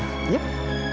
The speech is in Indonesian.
untuk tenang yuk